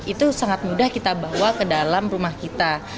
itu sangat mudah kita bawa ke dalam rumah kita